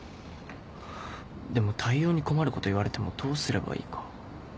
でも対応に困ること言われてもどうすればいいか